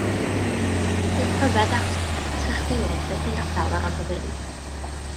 Dyw'r pryfed a'r trychfilod byth yn gadael yr ogofeydd.